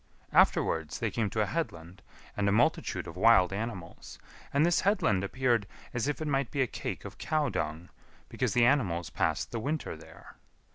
Afterwards they came to a headland and a multitude of wild animals; and this headland appeared as if it might be a cake of cow dung, because the animals passed the winter there.